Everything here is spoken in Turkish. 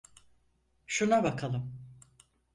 Şuna bakalım.